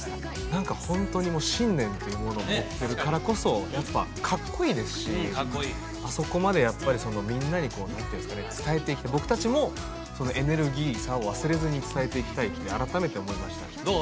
何かホントに信念というものを持ってるからこそやっぱかっこいいですしうんかっこいいあそこまでやっぱりみんなに何ていうんですかね伝えていきたい僕達もそのエネルギーさを忘れずに伝えていきたいって改めて思いましたねどう？